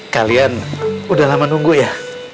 kalian udah lama nunggu ya